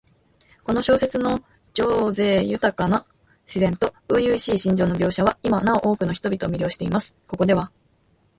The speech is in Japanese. この小説の叙情豊かな自然と初々しい心情の描写は、今なお多くの人々を魅了しています。ここでは、